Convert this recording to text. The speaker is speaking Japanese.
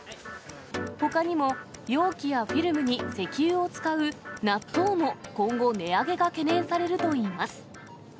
ほかにも容器やフィルムに石油を使う納豆も今後、値上げが懸念されるといいます。